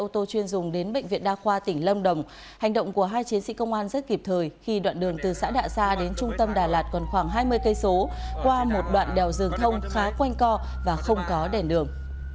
tỉnh lâm đồng hành động của hai chiến sĩ công an rất kịp thời khi đoạn đường từ xã đạ sa đến trung tâm đà lạt còn khoảng hai mươi km qua một đoạn đèo dường thông khá quanh co và không có đèn đường